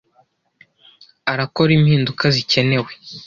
Arakora impinduka zikenewe.